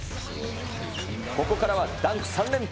ここからはダンク３連発。